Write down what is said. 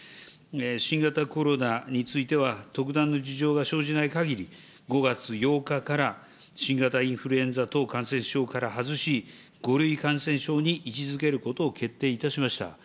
新型コロナについては、特段の事情が生じないかぎり、５月８日から、新型インフルエンザ等感染症から外し、５類感染症に位置づけることを決定いたしました。